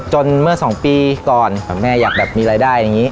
เมื่อ๒ปีก่อนแม่อยากแบบมีรายได้อย่างนี้